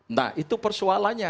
nah itu persoalannya